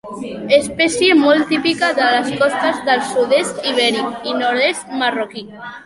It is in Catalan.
Espècie molt típica de les costes del sud-est ibèric i nord-est marroquí.